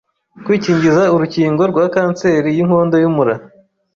kwikingiza urukingo rwa kanseri y’inkondo y’umura.